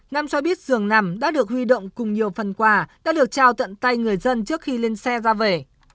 nam soa biết giường nằm đã được huy động cùng nhiều phần quà đã được trao tận tay người dân trước khi lên xe ra về